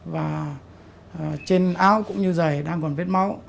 và trên áo cũng như dày đang còn vết máu